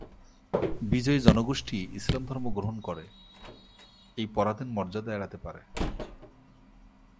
বিজয়ী জনগোষ্ঠী ইসলাম ধর্ম গ্রহণ করে এই পরাধীন মর্যাদা এড়াতে পারে।